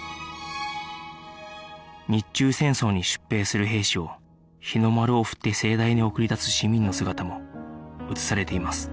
日中戦争に出兵する兵士を日の丸を振って盛大に送り出す市民の姿も写されています